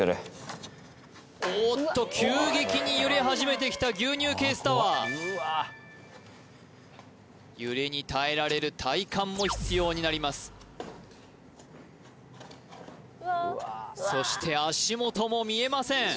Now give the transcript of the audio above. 急激に揺れ始めてきた牛乳ケースタワー揺れに耐えられる体幹も必要になりますそして足元も見えません